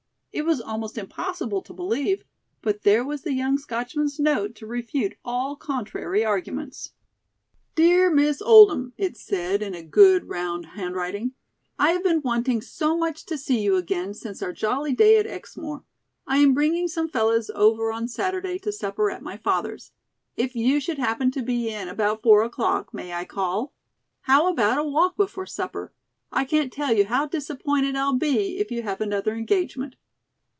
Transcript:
It was almost impossible to believe, but there was the young Scotchman's note to refute all contrary arguments. "DEAR MISS OLDHAM," it said, in a good, round handwriting, "I have been wanting so much to see you again since our jolly day at Exmoor. I am bringing some fellows over on Saturday to supper at my father's. If you should happen to be in about four o'clock, may I call? How about a walk before supper? I can't tell you how disappointed I'll be if you have another engagement.